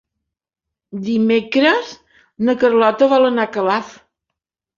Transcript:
Dimecres na Carlota vol anar a Calaf.